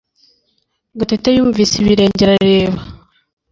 Gatete yumvise ibirenge arareba